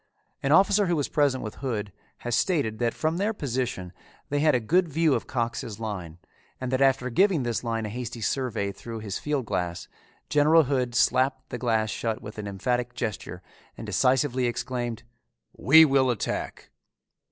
An officer who was present with Hood has stated that from their position they had a good view of Cox's line and that after giving this line a hasty survey through his field glass, General Hood slapped the glass shut with an emphatic gesture and decisively exclaimed, "We will attack!"